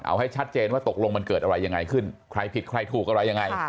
เอาให้ชัดเจนว่าตกลงมันเกิดอะไรยังไงขึ้นใครผิดใครถูกอะไรยังไง